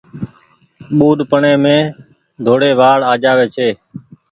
ٻوڏپڙي مين ڌوڙي وآڙ آجآوي ڇي۔